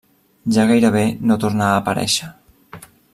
Ja gairebé no torna a aparèixer.